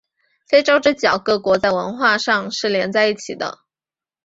非洲之角各国在文化上是连在一起的。